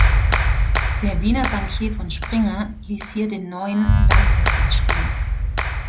Der Wiener Bankier von Springer ließ hier den neuen Landsitz entstehen.